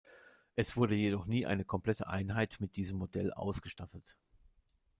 Es wurde jedoch nie eine komplette Einheit mit diesem Modell ausgestattet.